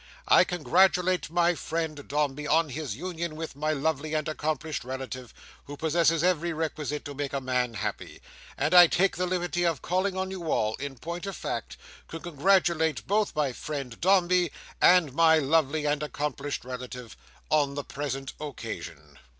I congratulate my friend Dombey on his union with my lovely and accomplished relative who possesses every requisite to make a man happy; and I take the liberty of calling on you all, in point of fact, to congratulate both my friend Dombey and my lovely and accomplished relative, on the present occasion."